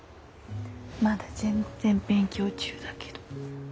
まだ全然勉強中だけど。